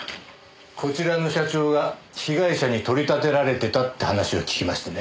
こちらの社長が被害者に取り立てられてたって話を聞きましてね。